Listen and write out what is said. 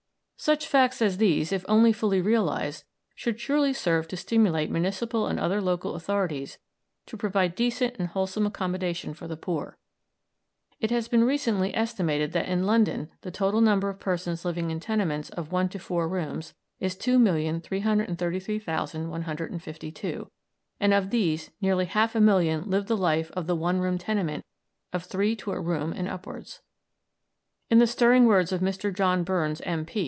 Such facts as these, if only fully realised, should surely serve to stimulate municipal and other local authorities to provide decent and wholesome accommodation for the poor. It has been recently estimated that in London the total number of persons living in tenements of one to four rooms is 2,333,152, and of these nearly half a million live the life of the one room tenement of three to a room and upwards. In the stirring words of Mr. John Burns, M.